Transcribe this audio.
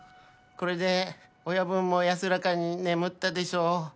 これで親分も安らかに眠ったでしょう。